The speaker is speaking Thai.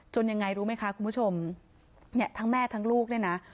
ยังไงรู้ไหมคะคุณผู้ชมเนี่ยทั้งแม่ทั้งลูกเนี่ยนะ